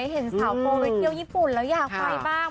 เห็นสาวโฟไปเที่ยวญี่ปุ่นแล้วอยากไปบ้าง